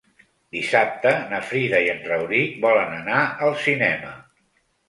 Dissabte na Frida i en Rauric volen anar al cinema.